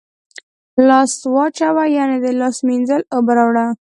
لاس واچوه ، یعنی د لاس مینځلو اوبه راوړه